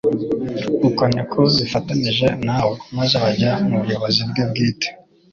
Uko ni ko bifatanije na we; maze bajya mu buyobozi bwe bwite.